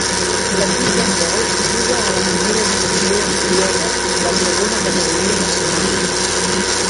L'equip d'handbol juga a la primera divisió noruega, la segona categoria nacional.